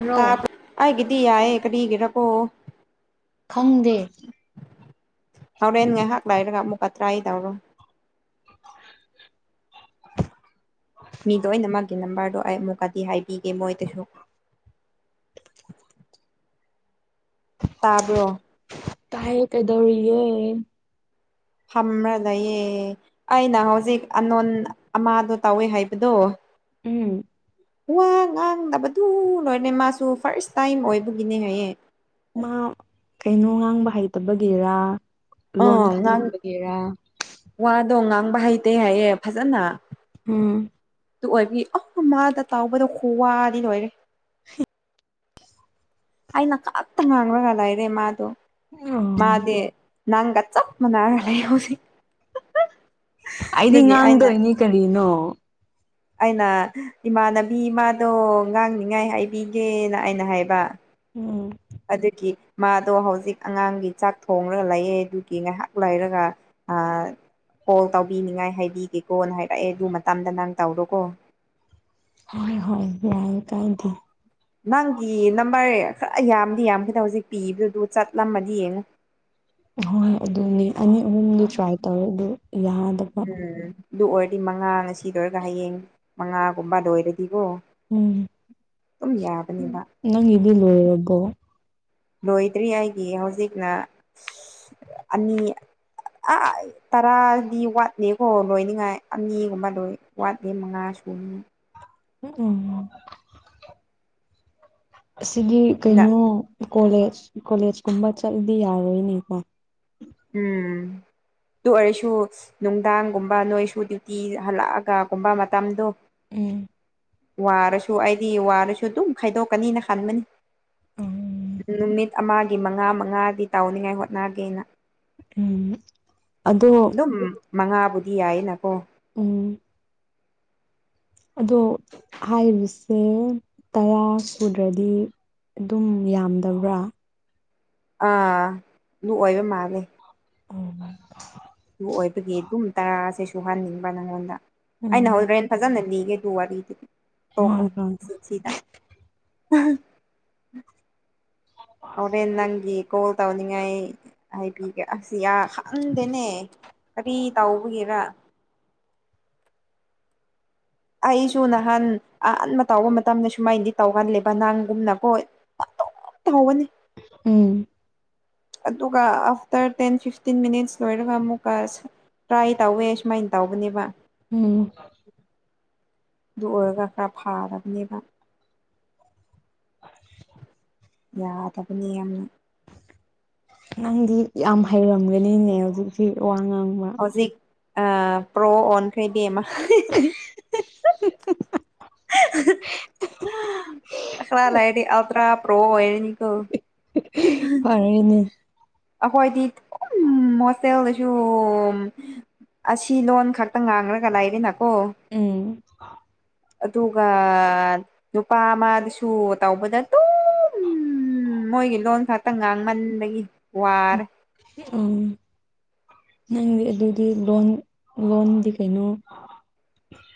ꯔꯣ ꯇꯥ ꯑꯩꯒꯤꯗꯤ ꯌꯥꯌꯦ ꯀꯔꯤꯒꯤꯔꯥꯀꯣ ꯈꯪꯗꯦ ꯍꯣꯔꯦꯟ ꯉꯥꯏꯍꯥꯛ ꯂꯩꯔꯒ ꯑꯃꯨꯛꯀꯥ ꯇ꯭ꯔꯥꯏ ꯇꯧꯔꯣ ꯃꯤ ꯂꯣꯏꯅꯃꯛꯀꯤ ꯅꯝꯕꯔꯗꯣ ꯑꯩ ꯑꯃꯨꯛꯀꯥꯗꯤ ꯍꯥꯏꯕꯤꯒꯦ ꯃꯣꯏꯗꯁꯨ ꯇꯥꯕ꯭ꯔꯣ ꯇꯥꯏ ꯀꯩꯗꯧꯔꯤ ꯒꯦ ꯐꯃ꯭ꯔ ꯂꯩꯌꯦꯦ ꯑꯩꯅ ꯍꯧꯖꯤꯛ ꯑꯅꯣꯟ ꯑꯃꯗꯣ ꯇꯧꯋꯦ ꯍꯥꯏꯕꯗꯣ ꯎꯝ ꯋꯥ ꯉꯥꯡꯗꯕꯗꯨ ꯂꯣꯏꯔꯅꯦ ꯃꯥꯁꯨ ꯐꯥꯔꯁ ꯇꯥꯏꯝ ꯑꯣꯏꯕꯒꯤꯅꯦ ꯍꯥꯏꯌꯦ ꯃꯥ ꯀꯩꯅꯣ ꯉꯥꯡꯕ ꯍꯩꯇꯕꯒꯤꯔꯥ ꯂꯣꯟ ꯑꯥ ꯉꯥꯡ ꯈꯟꯗꯕꯒꯤꯔꯥ ꯋꯥꯗꯣ ꯉꯥꯡꯕ ꯍꯩꯇꯦ ꯍꯥꯏꯌꯦ ꯐꯖꯅ ꯎꯝ ꯑꯗꯨ ꯑꯣꯏꯕꯒꯤ ꯃꯥꯗ ꯇꯥꯎꯕꯗꯣ ꯈꯨꯋꯥꯗꯤ ꯂꯣꯏꯔꯦ ꯑꯩꯅ ꯈꯛꯇ ꯉꯥꯡꯂꯒ ꯂꯩꯔꯦ ꯃꯥꯗꯣ ꯑꯣ ꯃꯥꯗꯤ ꯅꯪꯒ ꯆꯞ ꯃꯅꯔꯥ ꯂꯩꯍꯧꯔꯤ ꯑꯩꯗꯤ ꯉꯥꯡꯗꯣꯏꯅꯤ ꯀꯔꯤꯅꯣ ꯑꯩꯅ ꯏꯃꯥꯟꯅꯕꯤ ꯃꯥꯗꯣ ꯉꯥꯡꯅꯤꯉꯥꯏ ꯍꯥꯏꯕꯤꯒꯦꯅ ꯑꯩꯅ ꯍꯥꯏꯕ ꯎꯝ ꯑꯗꯨꯒꯤ ꯃꯥꯗꯣ ꯍꯧꯖꯤꯛ ꯑꯉꯥꯡꯒꯤ ꯆꯥꯛ ꯊꯣꯡꯡꯂꯒ ꯂꯩꯑꯦ ꯑꯗꯨꯒꯤ ꯉꯥꯏꯍꯥꯛ ꯂꯩꯔꯒ ꯀꯣꯜ ꯇꯧꯕꯤꯅꯤꯡꯉꯥꯏ ꯍꯥꯏꯕꯤꯒꯦꯀꯣꯅ ꯍꯥꯏꯔꯛꯑꯦ ꯑꯗꯨ ꯃꯇꯝꯗ ꯅꯪ ꯇꯧꯔꯣꯀꯣ ꯍꯣꯏ ꯍꯣꯏ ꯌꯥꯏ ꯀꯥꯏꯗꯦ ꯅꯪꯒꯤ ꯅꯝꯕꯔ ꯈꯔ ꯌꯥꯝꯗꯤ ꯌꯥꯝꯒꯦꯗ ꯍꯧꯖꯤꯛ ꯄꯤꯕꯗꯨ ꯆꯠꯂꯝꯃꯗꯤ ꯌꯦꯡꯉꯨ ꯍꯣꯏ ꯑꯗꯨꯅꯦ ꯑꯅꯤ ꯑꯍꯨꯝꯗꯤ ꯇ꯭ꯔꯥꯏ ꯇꯧꯋꯦ ꯑꯗꯨ ꯌꯥꯗ ꯎꯝ ꯑꯗꯨ ꯑꯣꯏꯔꯗꯤ ꯃꯉꯥ ꯉꯁꯤ ꯂꯣꯏꯔꯒꯥ ꯍꯌꯦꯡ ꯃꯉꯥꯒꯨꯝꯕꯗ ꯂꯣꯏꯔꯗꯤꯒꯣ ꯎꯝ ꯅꯪꯒꯤꯗꯤ ꯂꯣꯏꯔꯕꯣ ꯂꯣꯏꯗ꯭ꯔꯤ ꯑꯩꯒꯤ ꯍꯧꯖꯤꯛꯅ ꯑꯅꯤ ꯑꯥ ꯇꯔꯥꯗꯤ ꯋꯥꯠꯂꯦꯀꯣ ꯂꯣꯏꯅꯤꯡꯉꯥꯏ ꯑꯅꯤꯒꯨꯝꯕ ꯂꯣꯏ ꯋꯥꯠꯂꯦ ꯃꯉꯥ ꯁꯨꯅꯤ ꯎꯝ ꯎꯝ ꯑꯁꯤꯗꯤ ꯀꯩꯅꯣ ꯀꯣꯂꯦꯖ ꯀꯣꯂꯦꯖ ꯀꯨꯝꯕ ꯆꯠꯂꯗꯤ ꯌꯥꯔꯣꯏꯅꯤꯀꯣ ꯎꯝ ꯑꯗꯨ ꯑꯣꯏꯔꯁꯨ ꯅꯨꯡꯗꯥꯡꯒꯨꯝꯕ ꯅꯣꯏꯁꯨ ꯗ꯭ꯌꯨꯇꯤ ꯍꯜꯂꯛꯑꯒꯒꯨꯝꯕ ꯃꯇꯝꯗꯣ ꯎꯝ ꯋꯥꯔꯁꯨ ꯑꯩꯗꯤ ꯋꯥꯔꯁꯨ ꯑꯗꯨꯝ ꯈꯥꯏꯗꯣꯛꯀꯅꯤꯅ ꯈꯟꯕꯅꯤ ꯎꯝ ꯅꯨꯃꯤꯠ ꯑꯃꯒꯤ ꯃꯉꯥ ꯃꯉꯥꯗꯤ ꯇꯥꯎꯅꯤꯉꯥꯏ ꯍꯣꯠꯅꯒꯦꯅ ꯎꯝ ꯑꯗꯣ ꯑꯗꯨꯝ ꯃꯉꯥꯕꯨꯗꯤ ꯌꯥꯏꯌꯦꯅꯀꯣ ꯎꯝ ꯑꯗꯣ ꯍꯥꯏꯔꯤꯕꯁꯦ ꯇꯌꯥ ꯁꯨꯗ꯭ꯔꯗꯤ ꯑꯗꯨꯝ ꯌꯥꯝꯗꯕ꯭ꯔꯥ ꯑꯥ ꯑꯗꯨ ꯑꯣꯏꯔ ꯃꯥꯜꯂꯦ ꯑꯣ ꯑꯗꯨ ꯑꯣꯏꯕꯒꯤ ꯑꯗꯨꯝ ꯇꯔꯥꯁꯦ ꯁꯨꯍꯟꯅꯤꯡꯕ ꯅꯪꯉꯣꯟꯗ ꯑꯩꯅ ꯎꯝ ꯍꯧꯔꯦꯟ ꯐꯖꯅ ꯂꯤꯒꯦ ꯑꯗꯨ ꯋꯥꯔꯤꯗꯨꯗꯤ ꯑꯣꯀꯣ ꯍꯣꯏ ꯍꯣꯏ ꯁꯤꯗ ꯍꯣꯔꯦꯟ ꯅꯪꯒꯤ ꯀꯣꯜ ꯇꯧꯅꯤꯡꯉꯥꯏ ꯍꯥꯏꯕꯤꯒꯦ ꯑꯁꯤꯁꯤ ꯑ ꯈꯟꯗꯦꯅꯦ ꯀꯔꯤ ꯇꯥꯎꯕꯒꯦꯔ ꯑꯩꯁꯨ ꯅꯍꯥꯟ ꯑꯍꯟꯥꯟꯕ ꯇꯧꯕ ꯃꯇꯝꯗ ꯁꯨꯃꯥꯏꯅꯗꯤ ꯇꯧꯒꯜꯂꯦꯕ ꯅꯪꯒꯨꯝꯅꯀꯣ [inaudible] ꯇꯧꯕꯅꯤ ꯎꯝ ꯑꯗꯨꯒ ꯑꯐꯇꯔ ꯇꯦꯟ ꯐꯤꯐꯇꯤꯟ ꯃꯤꯠꯁ ꯂꯔꯒ ꯑꯃꯨꯛ ꯄꯥꯏꯁꯦ ꯇ꯭ꯔꯥꯏ ꯇꯧꯋꯦ ꯁꯨꯃꯥꯏꯅ ꯇꯧꯕꯅꯦꯕ ꯎꯝ ꯑꯗꯨ ꯑꯣꯏꯔꯒ ꯈꯔ ꯐꯥꯔꯕꯅꯦꯕ ꯌꯥꯗꯕꯅꯤ ꯌꯥꯝꯅ ꯅꯪꯗꯤ ꯌꯥꯝ ꯍꯩꯔꯝꯒꯅꯤꯅꯦ ꯍꯧꯖꯤꯛꯁꯤ ꯋꯥ ꯉꯥꯡꯕ ꯍꯧꯖꯤꯛ ꯄ꯭ꯔꯣ ꯑꯣꯟꯈꯔꯦꯏꯕꯦꯝꯃꯥ [unintelligible] ꯈꯔꯥ ꯂꯥꯏꯗꯤ ꯑꯜꯇ꯭ꯔꯥ ꯄ꯭ꯔꯣ ꯑꯣꯏꯔꯅꯤ ꯑ ꯐꯔꯦꯅꯦ ꯑꯩꯈꯣꯏꯗꯨꯝ ꯍꯣꯁꯇꯦꯜꯗꯁꯨ ꯑꯁꯤ ꯂꯣꯟ ꯈꯛꯇ ꯉꯥꯡꯂꯒ ꯂꯩꯥꯏꯔꯤꯅꯀꯣ ꯎꯝ ꯑꯗꯨꯒ ꯅꯨꯄꯥ ꯑꯃꯗꯨꯁꯨ ꯇꯧꯕꯗ ꯑꯗꯨꯝ ꯎꯝ ꯃꯣꯏꯒꯤ ꯂꯣꯟ ꯈꯛꯇ ꯉꯥꯡꯃꯟꯕꯒꯤ ꯋꯥꯔꯦ ꯑ ꯅꯪꯗꯤ ꯑꯗꯨꯗꯤ ꯂꯣꯟ ꯂꯣꯟꯗꯤ ꯀꯩꯅꯣ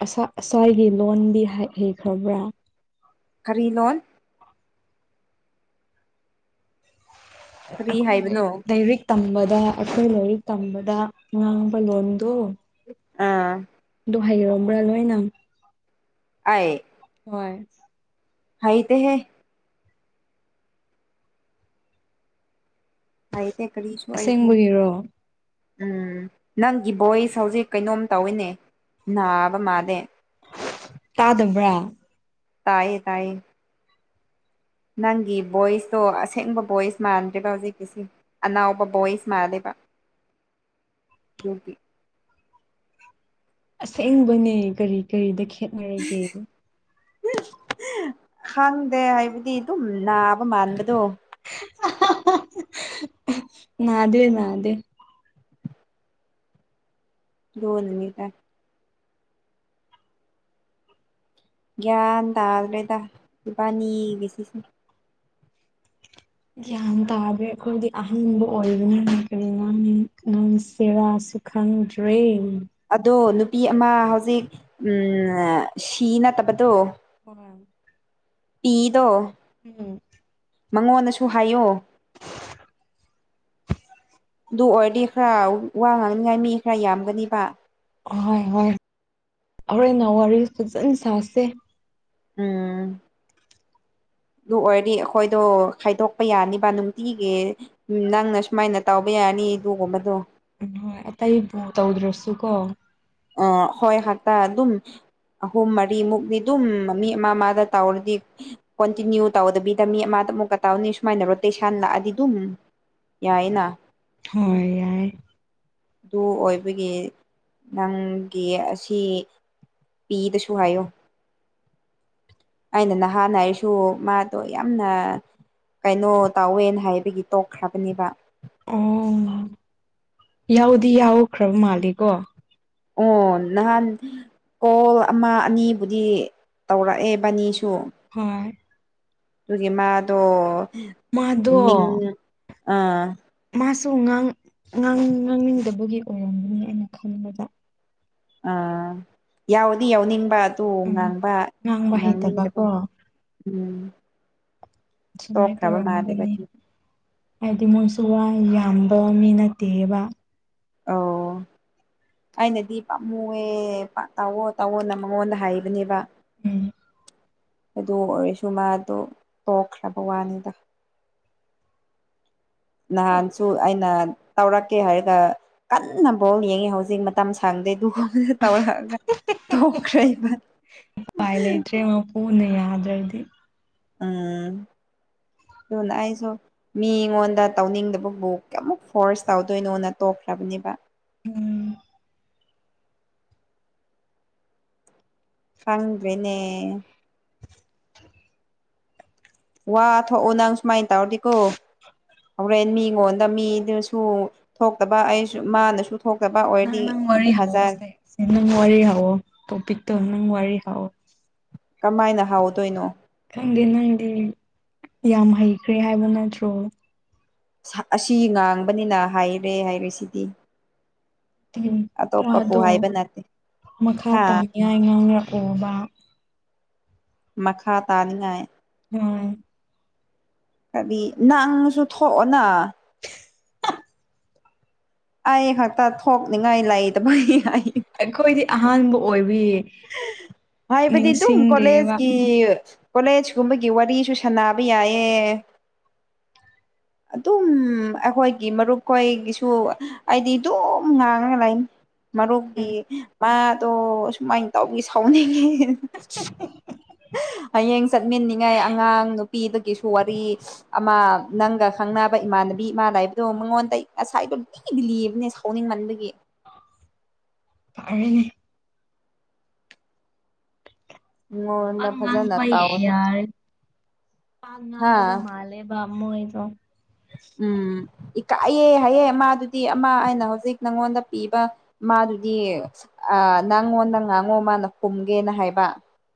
ꯑꯁꯥ ꯑꯁꯥꯏꯒꯤ ꯂꯣꯟꯗꯤ ꯍꯩꯈ꯭ꯔꯕ꯭ꯔꯥ ꯀꯔꯤ ꯂꯣꯟ ꯀꯔꯤ ꯑꯩꯈꯣꯏ ꯏꯔ ꯍꯥꯏꯕꯅꯣ [unintelligible] ꯇꯝꯕꯗ ꯑꯩꯈꯣꯏ ꯂꯥꯏꯔꯤꯛ ꯇꯝꯕꯗ ꯉꯥꯡꯕ ꯂꯣꯟꯗꯣ ꯑꯥ ꯑꯗꯨ ꯍꯩꯔꯕ꯭ꯔꯥ ꯂꯣꯏꯅ ꯑ ꯍꯣꯏ ꯍꯥꯏꯇꯦꯍꯦ ꯍꯥꯏ ꯇꯦ ꯀꯔꯤꯁꯨ ꯑꯏꯁꯨ ꯑꯁꯦꯡꯕꯒꯤꯔꯣ ꯎꯝ ꯅꯪꯒꯤ ꯚꯣꯏꯁ ꯍꯧꯖꯤꯛ ꯀꯩꯅꯣꯝ ꯇꯧꯋꯤꯅꯦ ꯅꯥꯕ ꯃꯥꯗꯦ ꯇꯥꯗꯕ꯭ꯔꯥ ꯇꯥꯏꯌꯦ ꯇꯌꯦ ꯅꯪꯒꯤ ꯚꯣꯏꯁꯇꯣ ꯑꯁꯦꯡꯕ ꯚꯣꯏꯁ ꯃꯥꯟꯗꯦꯕ ꯍꯧꯖꯤꯛꯀꯤꯁꯤ ꯑꯅꯥꯎꯕ ꯚꯣꯌꯁ ꯃꯥꯂꯦꯕ ꯗꯨꯒꯤ ꯑꯁꯦꯡꯕꯅꯦ ꯀꯔꯤ ꯀꯔꯤꯗ ꯈꯦꯠꯅꯔꯤꯒꯦ ꯈꯪꯗꯦ ꯍꯥꯏꯕꯗꯤ ꯑꯗꯨꯝ ꯅꯥꯕ ꯃꯥꯟꯕꯗꯣ ꯅꯥꯗꯦ ꯅꯥꯗꯦ ꯂꯣꯅꯅꯤ ꯇ [unintelligible] ꯒ꯭ꯌꯥꯟ ꯇꯗꯔꯦꯗ ꯏꯕꯥꯅꯤ ꯁꯤꯁꯤ ꯒ꯭ꯌꯥꯟ ꯇꯥꯗ꯭ꯔꯦ ꯑꯩꯈꯣꯏꯗꯤ ꯑꯍꯟꯕ ꯑꯣꯏꯕꯅꯤꯅ ꯀꯔꯤ ꯉꯥꯡ ꯁꯦꯔꯥ [unintelligible] ꯈꯪꯗ꯭ꯔꯦ ꯑꯗꯣ ꯅꯨꯄꯤ ꯑꯃ ꯍꯧꯖꯤꯛ ꯁꯤ ꯅꯠꯇꯕꯗꯣ ꯍ [unintelligible] ꯄꯤꯗꯣ ꯎꯝ ꯃꯉꯣꯟꯗꯁꯨ ꯍꯥꯏꯌꯣ ꯑꯗꯨ ꯑꯣꯏꯔꯗꯤ ꯈꯔ ꯋꯥ ꯉꯥꯡꯅꯤꯉꯥꯏ ꯃꯤ ꯈꯔ ꯌꯥꯝꯒꯅꯤꯕ ꯑꯍꯣꯏ ꯍꯣꯏ ꯍꯧꯔꯦꯟꯅ ꯋꯥꯔꯤ ꯐꯖꯅ ꯁꯥꯁꯦ ꯎꯝ ꯑꯗꯨ ꯑꯣꯏꯔꯗꯤ ꯑꯩꯈꯣꯏꯗꯣ ꯈꯥꯏꯗꯣꯛꯄ ꯌꯥꯅꯤꯕ ꯅꯨꯡꯇꯤꯒꯤ ꯎꯝ ꯅꯪꯅ ꯁꯨꯃꯥꯏꯅ ꯇꯥꯎꯕ ꯌꯥꯅꯤ ꯑꯗꯨꯒꯨꯝꯕꯗꯣ ꯎ ꯍꯣꯏ ꯑꯇꯩꯕꯨ ꯇꯧꯗ꯭ꯔꯁꯨ ꯀꯣ ꯑ ꯍꯣꯏ ꯍꯇꯥ ꯑꯗꯨꯝ ꯑꯍꯨꯝ ꯃꯔꯤꯃꯨꯛꯅꯤ ꯑꯗꯨꯝ ꯃꯤ ꯑꯃ ꯑꯃꯗ ꯇꯥꯎꯔꯗꯤ ꯀꯣꯟꯇꯤꯅ꯭ꯌꯨ ꯇꯧꯗꯕꯤꯗ ꯃꯤ ꯑꯃꯗ ꯑꯃꯨꯛꯀ ꯇꯧꯅꯤ ꯁꯨꯃꯥꯏꯅ ꯔꯣꯇꯦꯁꯟ ꯂꯥꯛꯑꯗꯤ ꯑꯗꯨꯝ ꯌꯥꯏꯌꯦꯅ ꯍꯣꯏ ꯌꯥꯏ ꯑꯗꯨ ꯑꯣꯏꯕꯒꯤ ꯅꯪꯒꯤ ꯑꯁꯤ ꯄꯤꯗꯁꯨ ꯍꯥꯏꯌꯣ ꯑꯩꯅ ꯅꯍꯥꯟ ꯍꯥꯏꯔꯁꯨ ꯃꯥꯗꯣ ꯌꯥꯝꯅ ꯀꯩꯅꯣ ꯇꯧꯋꯦꯅ ꯍꯥꯏꯕꯒꯤ ꯇꯣꯛꯈ꯭ꯔꯕꯅꯦꯕ ꯑꯣ ꯌꯥꯎꯗꯤ ꯌꯥꯎꯈ꯭ꯔꯕ ꯃꯥꯂꯦꯀꯣ ꯑꯣ ꯅꯍꯥꯟ ꯀꯣꯜ ꯑꯃ ꯑꯅꯤꯕꯨꯗꯤ ꯇꯧꯔꯛꯑꯦ ꯕꯅꯤꯁꯨ ꯍꯣꯏ ꯑꯗꯨꯒꯤ ꯃꯥꯗꯣ ꯃꯥꯗꯣ ꯃꯤꯡ ꯑꯥ ꯃꯥꯁꯨ ꯉꯥꯡ ꯉꯥꯡ ꯉꯥꯡꯅꯤꯡꯗꯕꯒꯤ ꯑꯣꯏꯔꯝꯒꯅꯤ ꯑꯩꯅ ꯈꯟꯕꯗ ꯑꯥ ꯌꯥꯎꯗꯤ ꯌꯥꯎꯅꯤꯡꯕ ꯑꯗꯨ ꯎꯝ ꯉꯥꯡꯕ ꯉꯥꯡꯕ ꯉꯥꯡꯅꯤꯡꯗꯕ ꯍꯩꯇꯕꯀꯣ ꯎꯝ ꯇꯣꯛꯈꯔꯕ ꯃꯥꯂꯦꯕ ꯍꯥꯏꯗꯤ ꯃꯣꯏꯁꯨ ꯋꯥ ꯌꯥꯝꯕ ꯃꯤ ꯅꯠꯇꯦꯕ ꯑꯧ [inaudible] ꯑꯩꯅꯗꯤ ꯄꯥꯝꯃꯨꯑꯦ ꯇꯧꯑꯣ ꯇꯧꯑꯣꯅ ꯃꯉꯣꯟꯗ ꯍꯥꯏꯕꯅꯦꯕ ꯎꯝ ꯑꯗꯨ ꯑꯣꯏꯔꯁꯨ ꯃꯥꯗꯣ ꯇꯣꯛꯈ꯭ꯔꯕ ꯋꯥꯅꯤꯗ ꯅꯍꯥꯟꯁꯨ ꯑꯩꯅ ꯇꯧꯔꯛꯀꯦ ꯍꯥꯏꯔꯒ ꯀꯟꯅ ꯕꯣꯜ ꯌꯦꯡꯉꯤ ꯍꯧꯖꯤꯛ ꯃꯇꯝ ꯁꯥꯡꯗꯦ ꯑꯗꯨꯒꯨꯝꯕ ꯇꯧꯔꯛꯑꯒ ꯇꯣꯛꯈꯔ꯭ꯦꯕ [unintelligible] ꯎꯄꯥꯏ ꯂꯩꯇ꯭ꯔꯦ ꯃꯄꯨꯅ ꯌꯥꯗ꯭ꯔꯗꯤ ꯎꯝ ꯑꯗꯨꯅ ꯑꯩꯁꯨ ꯃꯤꯉꯣꯟꯗ ꯇꯧꯅꯤꯡꯗꯕꯕꯨ ꯀꯩꯃꯨꯛ ꯐꯣꯔꯁ ꯇꯧꯗꯣꯏꯅꯣꯅ ꯇꯣꯛꯈ꯭ꯔꯕꯅꯦꯕ ꯎꯝ ꯈꯪꯗ꯭ꯔꯦꯅꯦ ꯋꯥ ꯊꯣꯛꯑꯣ ꯅꯪ ꯁꯨꯃꯥꯏꯟ ꯇꯧꯔꯗꯤꯀꯣ ꯍꯧꯔꯦꯟ ꯃꯤꯉꯣꯟꯗ ꯃꯤꯗꯨꯁꯨ ꯊꯣꯛꯇꯕ ꯑꯩꯁꯨ ꯃꯥꯅꯁꯨ ꯊꯣꯛꯇꯕ ꯑꯣꯏꯔꯗꯤ ꯎꯝ ꯐꯖꯔ ꯁ‌ꯦ ꯅꯪ ꯋꯥꯔꯤ ꯍꯧꯋꯣ ꯇ‌ꯣꯄꯤꯛꯇꯣ ꯅꯪ ꯋꯥꯔꯤ ꯍꯧ ꯀꯃꯥꯏꯅ ꯍꯧꯗꯣꯏꯅꯣ ꯈꯪꯗꯦ ꯅꯪꯗꯤ ꯌꯥꯝ ꯍꯩꯈ꯭ꯔꯦ ꯍꯥꯏꯕ ꯅꯠꯇ꯭ꯔꯣ ꯑꯁꯤ ꯉꯥꯡꯕꯅꯤꯅ ꯍꯩꯔꯦ ꯍꯥꯏꯔꯤꯁꯤꯗꯤ ꯎꯝ ꯑꯇꯣꯞꯄꯕꯨ ꯋꯥꯗꯣ ꯍꯥꯏꯕ ꯅꯠꯇꯦ ꯃꯈꯥ ꯍꯥ ꯇꯥꯅꯤꯡꯉꯥꯏ ꯉꯥꯡꯔꯛꯑꯣꯕ ꯃꯈꯥ ꯇꯥꯅꯤꯉꯥꯏ ꯎꯝ ꯍꯥꯏꯗꯤ ꯅꯪꯁꯨ ꯊꯣꯛꯑꯣꯅ ꯑꯩ ꯈꯛꯇ ꯊꯣꯛꯅꯤꯡꯉꯥꯏ ꯂꯩꯇꯕꯒꯤ ꯑꯩ ꯑꯩꯈꯣꯏꯗꯤ ꯑꯍꯥꯟꯕ ꯑꯣꯏꯕꯤ ꯍꯥꯏꯕꯗꯤ ꯑꯗꯨꯝ ꯀꯣꯂꯦꯖꯀꯤ ꯀꯣꯂꯦꯖ ꯀꯨꯝꯕꯒꯤ ꯋꯥꯔꯤꯁꯨ ꯁꯥꯟꯅꯕ ꯌꯥꯏꯌꯦ ꯑꯗꯨꯝ ꯑꯩꯈꯣꯏꯒꯤ ꯃꯔꯨꯞꯈꯣꯏꯒꯤꯁꯨ ꯑꯩꯗꯤ ꯑꯗꯨꯝ ꯉꯥꯡꯉꯥꯒ ꯂꯩꯅꯤ ꯃꯔꯨꯞꯀꯤ ꯎꯝ ꯃꯥꯗꯣ ꯁꯨꯃꯥꯏꯟ ꯇꯧꯕꯒꯤ ꯁꯥꯎꯅꯤꯡꯉꯤ [unintelligible] ꯍꯌꯦꯡ ꯆꯠꯃꯤꯟꯅꯤꯉꯥꯏ ꯑꯉꯥꯡ ꯅꯨꯄꯤꯗꯨꯒꯤꯁꯨ ꯋꯥꯔꯤ ꯑꯃ ꯅꯪꯒ ꯈꯪꯅꯕ ꯏꯃꯥꯟꯅꯕꯤ ꯑꯃ ꯂꯩꯕꯗꯣ ꯃꯉꯣꯟꯗꯩ ꯉꯁꯥꯏꯗꯨꯝ ꯄꯨꯡꯂꯤꯗ ꯂꯤꯕꯅꯦ ꯁꯥꯎꯅꯤꯡꯃꯟꯕꯒꯤ ꯐꯔꯦꯅꯤ ꯋꯥ ꯃꯉꯣꯟꯗ ꯐꯖꯅ ꯉꯥꯡꯕ ꯇꯥꯎꯗ ꯌꯥꯔ‌ꯦ ꯋꯥ ꯍꯥ ꯉꯥꯡꯗꯕ ꯃꯥꯜꯂꯦꯕ ꯃꯣꯏꯗ‌ꯣ ꯎꯝ ꯏꯀꯥꯏꯌꯦ ꯍꯥꯏꯌꯦ ꯃꯥꯗꯨꯗꯤ ꯑꯃ ꯑꯩꯅ ꯍꯧꯖꯤꯛ ꯅꯪꯉꯣꯟꯗ ꯄꯤꯕ ꯃꯥꯗꯨꯗꯤ ꯑ ꯅꯪꯉꯣꯟꯗ ꯉꯥꯡꯉꯣ ꯃꯥꯅ ꯈꯨꯝꯒꯦꯅ ꯍꯥꯏꯕ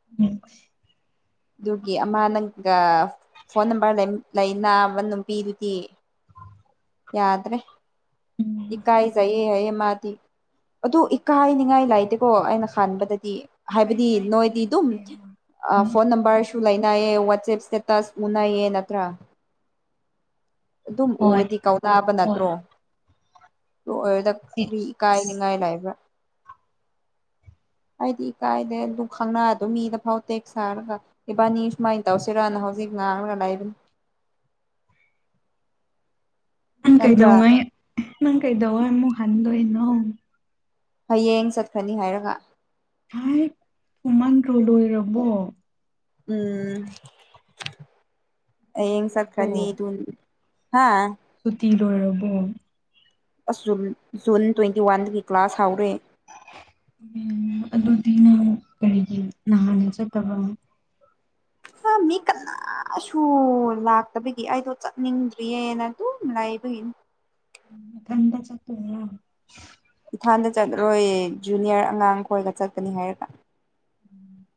[unintelligible] ꯑꯗꯨꯒꯤ ꯑꯃ ꯅꯪꯒ ꯐꯣꯟ ꯅꯝꯕꯔ ꯂꯩ ꯂꯩꯅꯕ ꯅꯨꯄꯤꯗꯨꯗꯤ ꯌꯥꯗ꯭ꯔꯦ ꯏꯀꯥꯏꯖꯩꯌꯦ ꯍꯥꯏꯌꯦ ꯃꯥꯗꯤ ꯑꯗꯨ ꯏꯀꯥꯏꯅꯤꯡꯉꯥꯏ ꯂꯩꯥꯇꯦꯀꯣ ꯑꯩꯅ ꯈꯟꯕꯗꯗꯤ ꯍꯥꯏꯕꯗꯤ ꯏꯀꯥꯏꯅꯤꯡꯉꯥꯏꯗꯤ ꯅꯣꯏꯗꯤ ꯗꯨꯝ ꯂꯩꯇꯦ ꯑꯥ ꯍꯣꯏ ꯐꯣꯟ ꯅꯝꯕꯔꯁꯨ ꯂꯩꯅꯩ ꯋꯥꯆꯦꯞ ꯏꯁꯇꯦꯇꯁ ꯎꯅꯩꯌꯦ ꯅꯠꯇ꯭ꯔꯥ ꯑꯗꯨꯝ ꯎꯝ ꯍꯣꯏ ꯎꯔꯗꯤ ꯀꯧꯅꯕ ꯍꯣꯏ ꯅꯠꯇ꯭ꯔꯣ ꯑꯗꯨ ꯑꯣꯏꯔ‌ꯣꯏꯗ ꯁꯤ ꯀꯔꯤ ꯏꯀꯥꯏꯅꯤꯡꯉꯥꯏ ꯂꯩꯕ꯭ꯔꯥ [inaudible] ꯑꯩꯗꯤ ꯏꯀꯥꯏꯗꯦ ꯑꯗꯨ ꯈꯪꯅꯗꯣ ꯃꯤꯗ ꯐꯥꯎ ꯇꯦꯛꯁ ꯊꯥꯔꯒ ꯏꯕꯥꯟꯅꯤ ꯁꯨꯃꯥꯏ ꯇꯧꯁꯤꯔꯅ ꯍꯧꯖꯤꯛ ꯉꯥꯡꯔꯒ ꯂꯩꯕꯅꯤ ꯅꯪ ꯅꯠꯇ꯭ꯔꯥ ꯀꯩꯗꯧꯉꯩ ꯅꯪ ꯀꯩꯗꯧꯉꯩ ꯑꯃꯨꯛ ꯍꯟꯗꯣꯏꯅꯣ ꯍꯌꯦꯡ ꯆꯠꯈ꯭ꯔꯅꯤ ꯍꯥꯏꯔꯒ [unintelligible] ꯊꯨꯃꯟꯗ꯭ꯔꯣ ꯂꯣꯏꯔꯕꯣ ꯎꯝ ꯍꯌꯦꯡ ꯂꯣꯏꯔꯕꯣ ꯆꯠꯈ꯭ꯔꯅꯤ ꯑꯗꯨꯝ ꯍꯥꯥ ꯁꯨꯇꯤ ꯂꯣꯏꯔꯕꯣ ꯑꯁ ꯖꯨꯟ ꯖꯨꯟ ꯇ꯭ꯋꯦꯟꯇꯤ ꯋꯥꯟꯗꯒꯤ ꯀ꯭ꯂꯥꯁ ꯍꯧꯔꯦ ꯎꯝ ꯑꯗꯨꯗꯤ ꯅꯪ ꯀꯔꯤꯒꯤ ꯅꯍꯥꯟꯅ ꯆꯠꯇꯕ ꯍꯥ ꯃꯤ ꯀꯅꯥꯁꯨ ꯂꯥꯛꯇꯕꯒꯤ ꯑꯩꯗꯣ ꯆꯠꯅꯤꯡꯗ꯭ꯔꯤꯌꯦꯅ ꯑꯗꯨꯝ ꯂꯩꯕꯒꯤ ꯅꯊꯟꯇꯥ ꯆꯠꯇ‌ꯣꯏꯔ‌ꯣ ꯏꯊꯟꯗ ꯆꯠꯂꯔꯣꯏꯌꯦ ꯖꯨꯅꯤꯌꯔ ꯑꯉꯥꯡ ꯈꯣꯏꯒ ꯆꯠꯀꯅꯤ ꯍꯥꯏꯔꯒ [inaudible]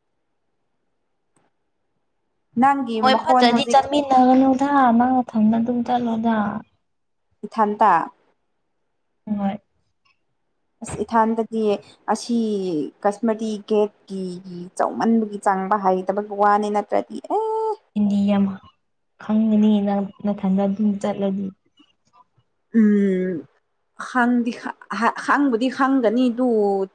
ꯅꯪꯒꯤ ꯃꯣꯏ ꯃꯈꯣꯟ ꯐꯠꯇꯗꯤ ꯍꯧꯖꯤꯛ ꯆꯠꯃꯤꯟꯅꯒꯅꯨꯗ ꯃꯥꯅ ꯊꯝꯅ ꯑꯗꯨꯝ ꯆꯠꯂꯣꯗ ꯏꯊꯟꯇꯥ ꯍꯣꯏ ꯑꯁ ꯏꯊꯥꯟꯗꯗꯤ ꯑꯁꯤ ꯀꯥꯁꯃꯔꯤ ꯒꯦꯠꯀꯤ ꯆꯧꯃꯟꯕꯒꯤ ꯆꯥꯡꯕ ꯍꯩꯇꯕꯒꯤ ꯋꯥꯅꯤ ꯅꯠꯇ꯭ꯔꯗꯤ ꯑꯦ ꯏꯤꯟꯗꯤ ꯌꯥꯝ ꯈꯪꯉꯅꯤꯅ ꯃꯊꯟꯗ ꯑꯗꯨꯝ ꯆꯠꯂꯗꯤ ꯎꯝ ꯈꯪꯗꯤ ꯈꯪꯕꯨꯗꯤ ꯈꯪꯒꯅꯤꯗꯨ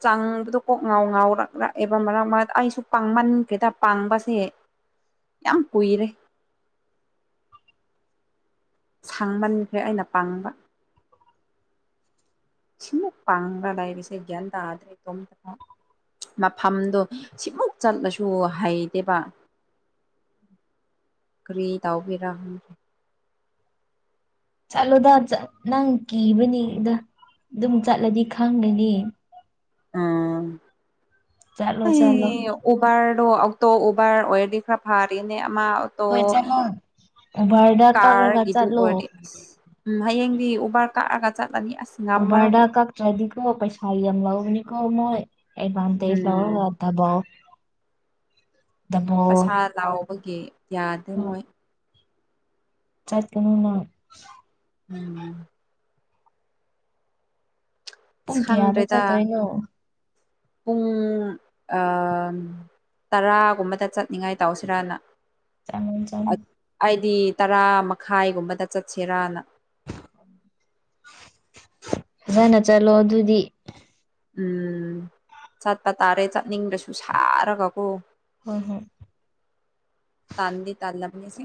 ꯆꯥꯡꯕꯗꯣ ꯀꯣꯛ ꯉꯥꯎ ꯉꯥꯎꯔꯛꯂꯛꯑꯦꯕ ꯃꯔꯛ ꯃꯔꯛꯇ ꯑꯩꯁꯨ ꯄꯥꯡꯃꯟ ꯀꯦꯗ ꯄꯥꯡꯕꯁꯦ ꯌꯥꯝ ꯀꯨꯏꯔꯦ ꯁꯥꯡꯃꯟꯈꯔ‌ꯦ ꯑꯩꯅ ꯄꯥꯡꯕ ꯁꯤꯃꯨꯛ ꯄꯥꯒꯗꯥꯥꯏꯕꯤꯁꯦ [unintelligible] ꯌꯦꯗꯥꯗ꯭ꯔꯦ ꯇꯣꯡꯝꯗꯨꯀ ꯃꯐꯝꯗꯣ ꯁꯤꯃꯨꯛ ꯆꯠꯂꯁꯨ ꯍꯩꯗꯦꯕ ꯀ꯭ꯔꯤ ꯇꯥꯎꯕꯩꯔꯥ ꯈꯪꯗ‌ꯦ ꯆꯠꯂꯣꯗ ꯅꯪ ꯀꯤꯕꯅꯤꯗ ꯑꯗꯨꯝ ꯆꯠꯂꯗꯤ ꯈꯪꯒꯅꯤ ꯎꯝ ꯆꯠꯂꯣ ꯆꯠꯂꯣ ꯑꯩ ꯎꯕꯔꯗꯣ ꯑꯣꯛꯇꯣ ꯎꯕꯔ ꯑꯣꯏꯔꯗꯤ ꯈꯔ ꯐꯥꯔꯤꯅꯦ ꯑꯃ ꯇꯣ ꯍꯣꯏ ꯆꯠꯂꯣ ꯎꯕꯔꯗ ꯀꯛꯂꯒ ꯀꯥꯔꯒꯤꯗꯨ ꯆꯠꯂꯣ ꯑꯣꯏꯔꯗꯤ ꯎꯝ ꯍꯌꯦꯡꯗꯤ ꯎꯕꯔ ꯀꯛꯑꯒ ꯆꯠꯂꯅꯤ ꯑꯁ ꯉꯝꯃꯔꯣꯏ ꯑꯣꯕꯔꯗ ꯀꯛꯇ꯭ꯔꯗꯤꯀꯣ ꯄꯩꯁꯥ ꯌꯥꯝ ꯂꯧꯕꯅꯤꯀꯣ ꯃꯣꯏ ꯑꯦꯗꯚꯥꯟꯇꯦꯖ ꯎꯝ ꯂꯧꯔꯒ ꯇꯥꯕꯔꫭ ꯄꯩꯁꯥ ꯂꯥꯎꯕꯒꯤ ꯌꯥꯗꯦ ꯃꯣꯏ ꯆꯠꯀꯅꯨꯅꯪ ꯎꯝ ꯄꯨꯡ ꯀꯌꯥꯗ ꯁꯪꯗ꯭ꯔꯦꯗ ꯆꯠꯇꯣꯏꯅꯣ ꯄꯨꯡ ꯑꯥ ꯇꯔꯥꯒꯨꯝꯕꯗ ꯆꯠꯅꯤꯡꯉꯥꯏ ꯇꯧꯁꯤꯔꯅ ꯆꯥꯡꯉ ꯆ [unintelligible] ꯑꯩꯗꯤ ꯇꯔꯥ ꯃꯈꯥꯏꯒꯨꯝꯕꯗ ꯆꯠꯁꯤꯔꯅ [inaudible] ꯐꯖꯅ ꯆꯠꯂꯣ ꯑꯗꯨꯗꯤ ꯎꯝ ꯆꯠꯄ ꯇꯥꯔꯦ ꯆꯠꯅꯤꯡꯗꯁꯨ ꯁꯥꯔꯒꯀꯣ ꯍꯣꯏ ꯍꯣꯏ ꯇꯥꯟꯗꯤ ꯇꯥꯟꯂꯕꯅꯤ ꯁꯤꯡ